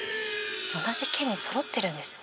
「同じ県にそろってるんですね」